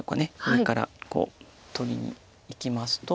上から取りにいきますと。